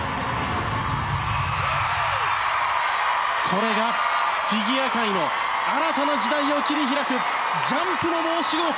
これがフィギュア界の新たな時代を切り開くジャンプの申し子